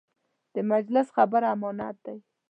د مجلس خبره امانت دی.